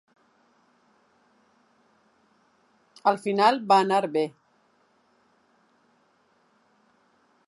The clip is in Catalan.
Al final va anar bé.